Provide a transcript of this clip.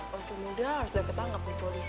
maksudnya mudah harus udah ketangkap di polisi